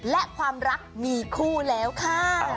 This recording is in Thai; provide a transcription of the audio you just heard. และความรักมีคู่แล้วค่ะ